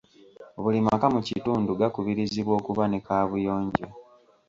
Buli maka mu kitundu gakubirizibwa okuba ne kaabuyonjo